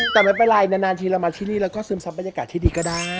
แต่ไม่เป็นไรนานทีเรามาที่นี่เราก็ซึมซับบรรยากาศที่ดีก็ได้